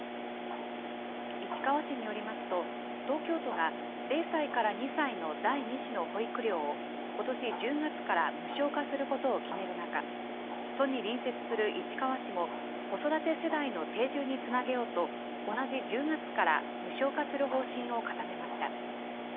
市川市によりますと、東京都が０歳から２歳の第２子の保育料を、ことし１０月から無償化することを決める中、都に隣接する市川市も、子育て世代の定住につなげようと、同じ１０月から無償化する方針を固めました。